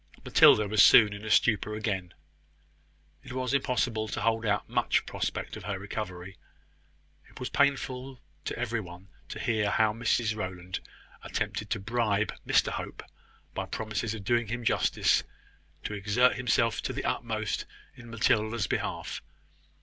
Matilda was soon in a stupor again. It was impossible to hold out much prospect of her recovery. It was painful to every one to hear how Mrs Rowland attempted to bribe Mr Hope, by promises of doing him justice, to exert himself to the utmost in Matilda's behalf.